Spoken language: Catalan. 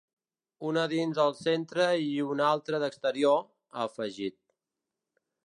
Una dins el centre i una altra d’exterior, ha afegit.